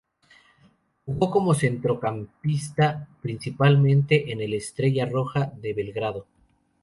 Jugó como centrocampista principalmente en el Estrella Roja de Belgrado.